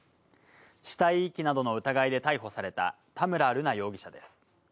死体遺棄などの疑いで逮捕された田村瑠奈容疑者です。